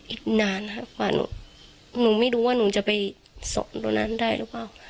อีกนานค่ะกว่าหนูไม่รู้ว่าหนูจะไปสอนตรงนั้นได้หรือเปล่า